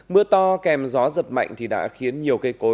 mưa to kèm gió giật mạnh thì đã khiến nhiều cây cối